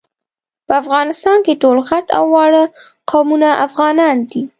په افغانستان کي ټول غټ او واړه قومونه افغانان دي